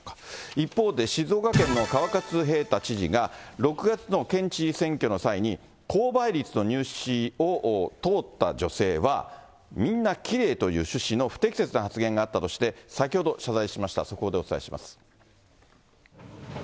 一方で静岡県の川勝平太知事が、６月の県知事選挙の際に、高倍率の入試を通った女性はみんなきれいという趣旨の不適切な発言があったとして、先ほど謝罪しました。